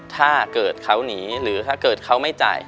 ถ้าเกิดเขาหนีหรือถ้าเกิดเขาไม่จ่าย